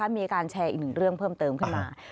มีการแชร์อีกหนึ่งเรื่องเพิ่มเติมขึ้นมา